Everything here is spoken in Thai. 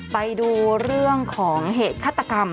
ไปดูเรื่องของเหตุฆาตกรรม